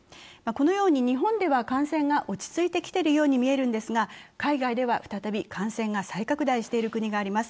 日本では感染が落ち着いてきているように見えるんですが、海外では再び感染が再拡大している国があります。